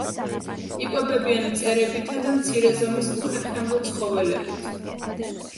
იკვებებიან მწერებითა და მცირე ზომის უხერხემლო ცხოველებით.